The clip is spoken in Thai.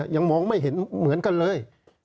ยังมองไม่เห็นเหมือนกันเลย